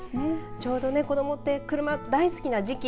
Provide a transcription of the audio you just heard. ちょうど子どもって車、大好きな時期。